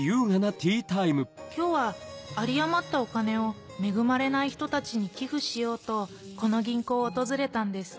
今日は有り余ったお金を恵まれない人たちに寄付しようとこの銀行を訪れたんです